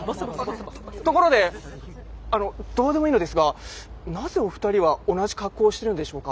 ところであのどうでもいいのですがなぜお二人は同じ格好をしているんでしょうか？